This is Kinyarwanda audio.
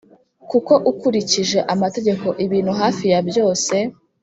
Kuko ukurikije amategeko ibintu hafi ya byose